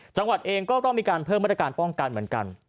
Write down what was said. จังหวัดเองก็ต้องมีการเพิ่มมาตรการป้องกันเหมือนกัน